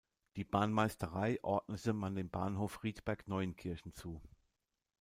Die Bahnmeisterei ordnete man dem Bahnhof Rietberg-Neuenkirchen zu.